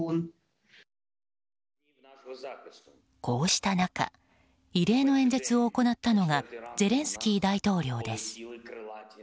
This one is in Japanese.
こうした中異例の演説を行ったのがゼレンスキー大統領です。